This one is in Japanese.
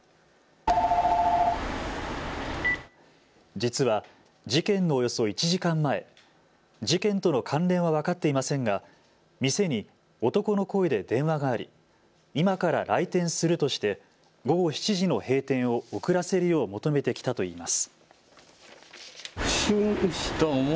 実は事件のおよそ１時間前、事件との関連は分かっていませんが店に男の声で電話があり今から来店するとして午後７時の閉店を遅らせるよう求めてきたといいます。